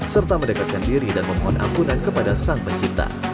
serta mendekatkan diri dan memohon ampunan kepada sang pencipta